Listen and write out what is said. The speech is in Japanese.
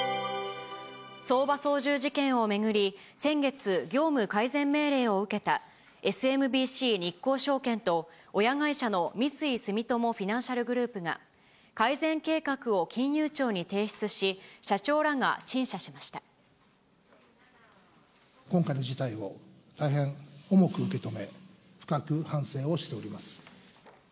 相場操縦事件を巡り、先月、業務改善命令を受けたＳＭＢＣ日興証券と親会社の三井住友フィナンシャルグループが、改善計画を金融庁に提出し、社長らが陳謝し今回の事態を大変重く受け止め、深く反省をしております。